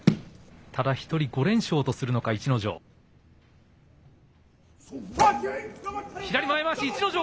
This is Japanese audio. ただ一人、５連勝とするのか、逸ノ城。